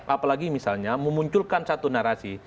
apalagi misalnya memunculkan satu narasi